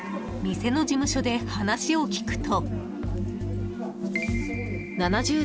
［店の事務所で話を聴くと］